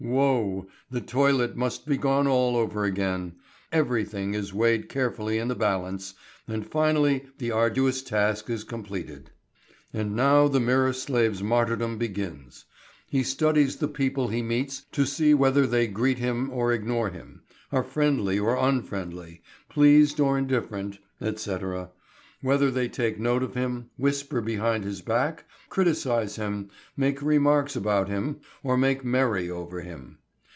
Woe! The toilet must be gone all over again. Everything is weighed carefully in the balance, and finally the arduous task is completed. And now the mirror slave's martyrdom begins. He studies the people he meets to see whether they greet him or ignore him, are friendly or unfriendly, pleased or indifferent, etc., whether they take note of him, whisper behind his back, criticise him, make remarks about him, or make merry over him.